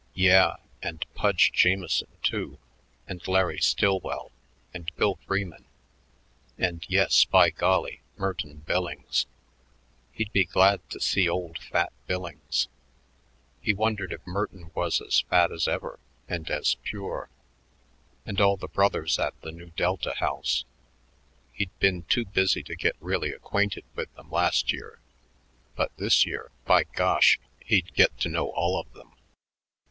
Yeah, and Pudge Jamieson, too, and Larry Stillwell, and Bill Freeman, and yes, by golly! Merton Billings. He'd be glad to see old Fat Billings. He wondered if Merton was as fat as ever and as pure. And all the brothers at the Nu Delta house. He'd been too busy to get really acquainted with them last year; but this year, by gosh, he'd get to know all of them.